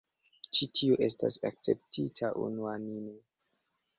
Ĉi tiu estas akceptita unuanime.